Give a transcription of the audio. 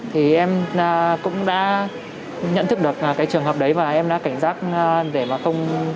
thì em cũng đã nhận thức được cái trường hợp đấy và em đã cảnh giác để mà không